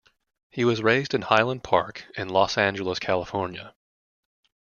He was raised in Highland Park, in Los Angeles, California.